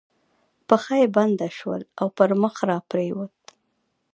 پښه یې بنده شول او پر مخ را پرېوت.